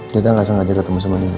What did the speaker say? nita gak sangka ajak ketemu sama nino